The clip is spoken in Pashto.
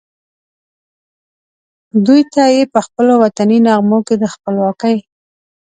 دوی ته یې پخپلو وطني نغمو کې د خپلواکۍ